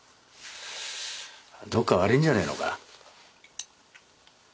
どっか悪いんじゃねぇのか？